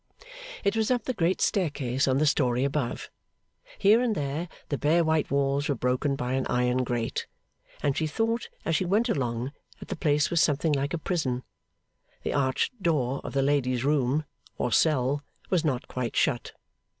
It was up the great staircase on the story above. Here and there, the bare white walls were broken by an iron grate, and she thought as she went along that the place was something like a prison. The arched door of the lady's room, or cell, was not quite shut.